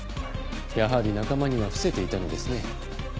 やはり仲間には伏せていたのですね。